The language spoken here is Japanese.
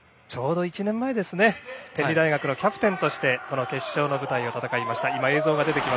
ちょうど１年前天理大学のキャプテンとして決勝の舞台を戦いました。